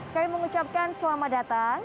kami mengucapkan selamat datang